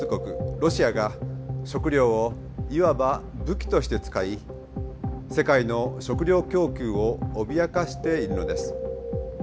ロシアが食料をいわば武器として使い世界の食料供給を脅かしているのです。